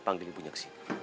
panggil ibu nyaksin